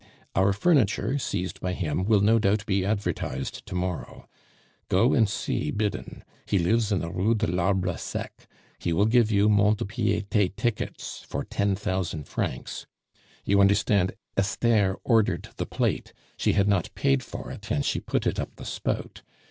Our furniture, seized by him, will no doubt be advertised to morrow. Go and see Biddin; he lives in the Rue de l'Arbre Sec; he will give you Mont de Piete tickets for ten thousand francs. You understand, Esther ordered the plate; she had not paid for it, and she put it up the spout.